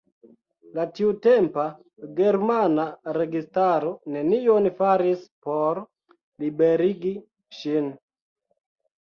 La tiutempa germana registaro nenion faris por liberigi ŝin.